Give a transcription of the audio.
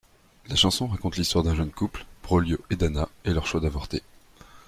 La chanson raconte l'histoire d'un jeune couple, Braulio et Dana, et leur choix d'avorter.